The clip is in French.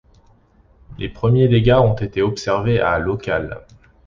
Les premiers dégâts ont été observés à locales.